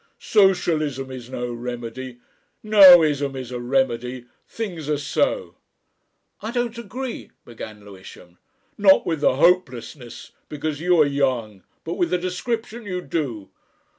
Socialism is no remedy, no ism is a remedy; things are so." "I don't agree " began Lewisham. "Not with the hopelessness, because you are young, but with the description you do."